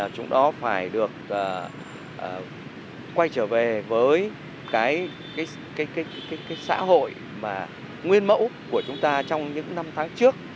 chúng đó phải được quay trở về với cái xã hội mà nguyên mẫu của chúng ta trong những năm tháng trước